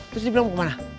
terus dia bilang mau kemana